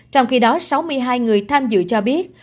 trong khi đó sáu mươi hai người tham dự cho biết